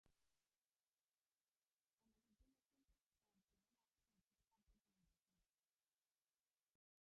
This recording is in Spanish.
En los últimos tiempos se empiezan a ver muchos campos de girasol.